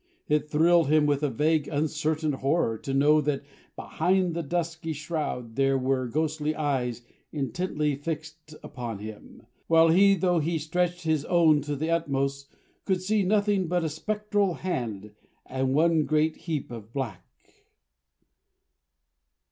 It thrilled him with a vague uncertain horror, to know that behind the dusky shroud, there were ghostly eyes intently fixed upon him, while he, though he stretched his own to the utmost, could see nothing but a spectral hand and one great heap of black.